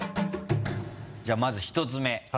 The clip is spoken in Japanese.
じゃあまず１つ目。